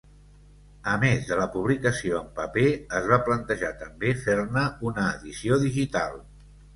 A més de la publicació en paper, es va plantejar també fer-ne una edició digital.